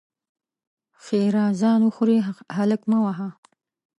ښېرا: ځان وخورې؛ هلک مه وهه!